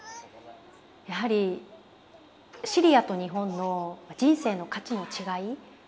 やはりシリアと日本の人生の価値の違い。